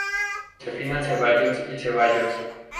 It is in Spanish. Josefina Cevallos y Cevallos.